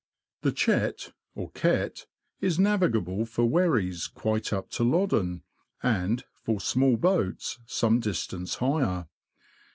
The Chet, or Ket, is navigable for wherries quite up to Loddon, and for small boats some distance higher.